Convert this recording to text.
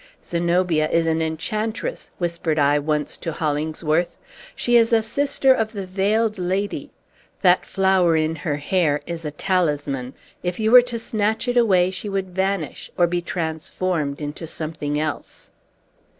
"Zenobia is an enchantress!" whispered I once to Hollingsworth. "She is a sister of the Veiled Lady. That flower in her hair is a talisman. If you were to snatch it away, she would vanish, or be transformed into something else."